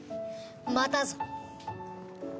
またぞ。